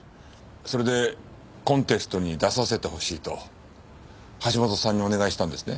それでコンテストに出させてほしいと橋本さんにお願いしたんですね？